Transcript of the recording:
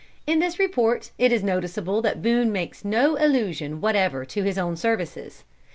In this report, it is noticeable that Boone makes no allusion whatever to his own services.